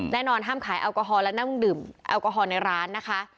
ห้ามขายแอลกอฮอลและนั่งดื่มแอลกอฮอลในร้านนะคะ